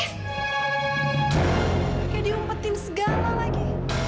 kayak diumpetin segala lagi